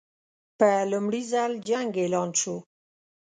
په لومړي ځل جنګ اعلان شو.